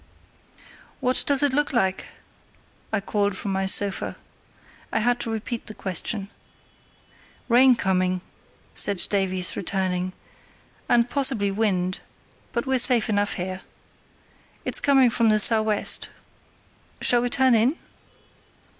"What does it look like?" I called from my sofa. I had to repeat the question. "Rain coming," said Davies, returning, "and possibly wind; but we're safe enough here. It's coming from the sou' west; shall we turn in?"